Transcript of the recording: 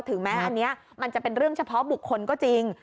ถึงแม้อันนี้มันจะเป็นเรื่องเฉพาะบุคคลก็จริง